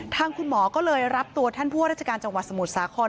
ทางคุณหมอก็เลยรับตัวท่านผู้ว่าราชการจังหวัดสมุทรสาคร